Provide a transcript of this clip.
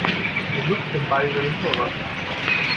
Er lupft den Ball über den Torwart.